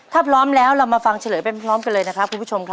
ถ้าพร้อมแล้วเรามาฟังเฉลยเป็นพร้อมกันเลยนะครับครับคุณผู้ชม